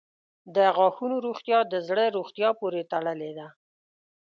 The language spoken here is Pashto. • د غاښونو روغتیا د زړه روغتیا پورې تړلې ده.